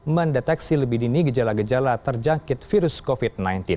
mendeteksi lebih dini gejala gejala terjangkit virus covid sembilan belas